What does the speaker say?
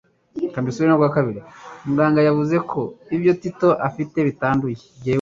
Muganga yavuze ko ibyo Tito afite bitanduye.